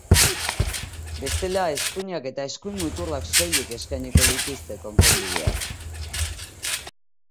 Bestela eskuinak, eta eskuin muturrak soilik eskainiko dituzte konponbideak.